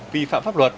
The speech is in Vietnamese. vi phạm pháp luật